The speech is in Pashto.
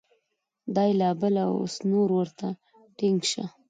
دا یې لا بله ، اوس نو ورته ټینګ شه !